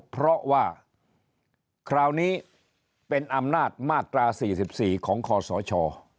เพราะว่าคราวนี้เป็นอำนาจมาตรา๔๔ของคอสช